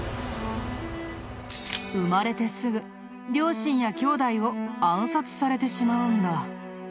生まれてすぐ両親やきょうだいを暗殺されてしまうんだ。